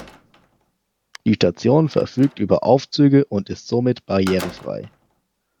Die Station verfügt über Aufzüge und ist somit barrierefrei.